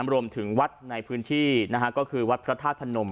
รวมถึงวัดในพื้นที่ก็คือวัดพระธาตุพนม